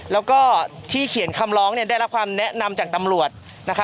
แล้วก็ที่เขียนคำร้องได้รับความแนะนำจากตำรวจ